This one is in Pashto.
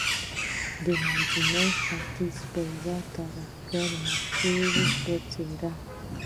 د منځني ختیځ د یو ترهګر مشر په څیر